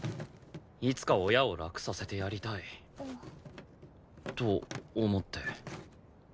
いつか親を楽させてやりたいと思って。